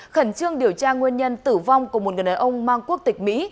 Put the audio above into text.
khẩn trương điều tra nguyên nhân tử vong của một người đàn ông mang quốc tịch mỹ